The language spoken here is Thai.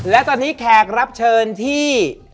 และตอนนี้แขกรับเชิญที่